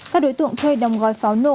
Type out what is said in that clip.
các đối tượng thuê đồng gói pháo nổ